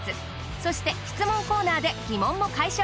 そして質問コーナーで疑問も解消！